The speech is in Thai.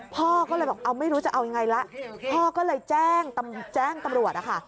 พ่อก็เลยบอกเอาไม่รู้จะเอายังไงละพ่อก็เลยแจ้งตำรวจนะคะ